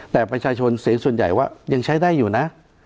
แต่ประชาชนเสียงส่วนใหญ่ว่ายังใช้ได้อยู่นะ